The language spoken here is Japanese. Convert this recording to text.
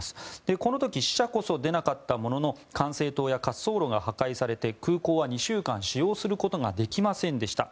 この時死者こそ出なかったものの管制塔や滑走路が破壊されて空港は２週間使用することができませんでした。